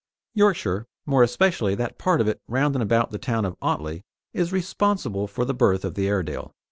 Yorkshire, more especially that part of it round and about the town of Otley, is responsible for the birth of the Airedale.